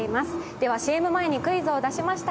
ではＣＭ前にクイズを出しました。